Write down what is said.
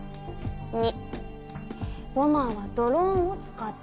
２ボマーはドローンを使った。